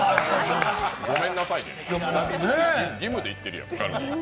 ごめんなさいね、義務で行ってるやん、カルディ。